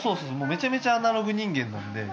めちゃめちゃアナログ人間なので。